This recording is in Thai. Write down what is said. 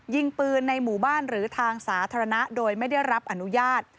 ยิงปืนในหมู่บ้านหรือทางสาธารณะโดยไม่ได้รับอนุญาต